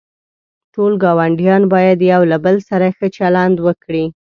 ټول گاونډیان باید یوله بل سره ښه چلند وکړي.